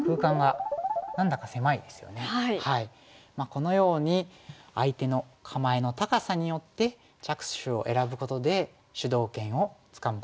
このように相手の構えの高さによって着手を選ぶことで主導権をつかむことができます。